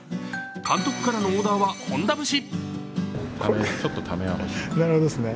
監督からのオーダーは本田節。